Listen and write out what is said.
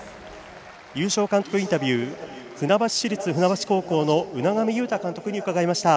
優勝監督インタビュー船橋市立船橋高校の海上雄大監督に伺いました。